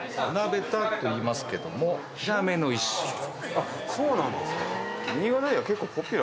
あそうなんですか。